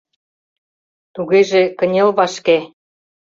Тугеже кынел вашке!